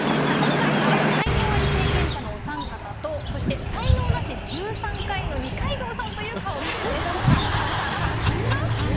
さあ今回は才能アリ経験者のお三方とそして才能ナシ１３回の二階堂さんという顔ぶれです。